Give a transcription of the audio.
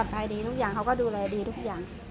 ภายดีทุกอย่างเขาก็ดูแลดีทุกอย่าง